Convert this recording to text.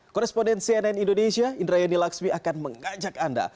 korespondensi ann indonesia indra yanni laksmi akan mengajak anda